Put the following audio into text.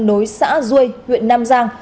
nối xã duê huyện nam giang